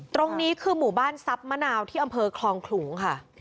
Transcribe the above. ตรงนี้คือหมู่บ้านทรัพย์มะนาวที่อำเภอคลองขลุงค่ะ